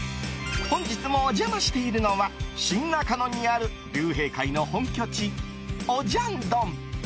本日もお邪魔しているのは新中野にある竜兵会の本拠地、オジャンドン。